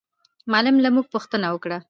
معلم له موږ پوښتنه وکړه.